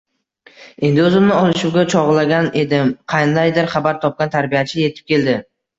Endi oʻzimni olishuvga chogʻlagan edim, qaydandir xabar topgan tarbiyachi yetib keldi.